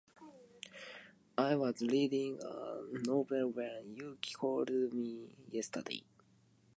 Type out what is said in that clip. I was reading a novel when you called me yesterday.